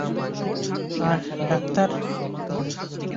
আর, doctor!